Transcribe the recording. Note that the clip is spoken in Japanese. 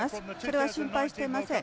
それは心配していません。